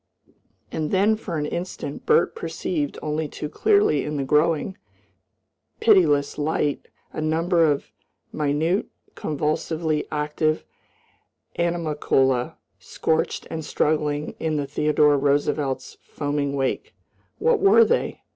And then for an instant Bert perceived only too clearly in the growing, pitiless light a number of minute, convulsively active animalcula scorched and struggling in the Theodore Roosevelt's foaming wake. What were they?